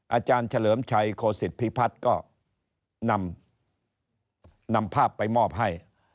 อาจารย์เฉลิมชัยโคสิตพิพัฒน์ก็นำภาพไปมอบให้